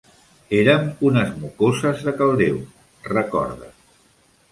"Érem unes mocoses de cal Déu", recorda.